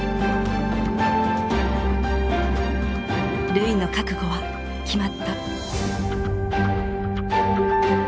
瑠唯の覚悟は決まった。